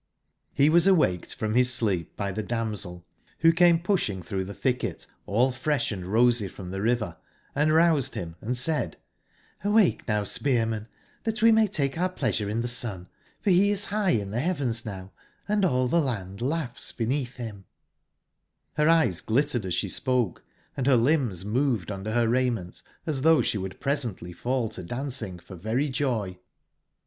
92 I^^^B was awaked from bis sleep by the damsel, IJMp wbo came pushing tbrougb tbe tbicket all EIM^ fresb and rosy from tbe river, and roused him, and said :*'Hwakc now, Spearman, tbat we may take our pleasure in tbe sun ; for be is bigb in tbe beavens now, and all tbe land laugbs beneatb bim'' j^Her eyes glittered as sbe spoke, and ber limbs moved under ber raiment as tbougb sbe would pre sently fall to dancing for very joy.